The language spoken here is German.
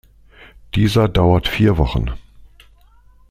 Dieser dauert vier Wochen.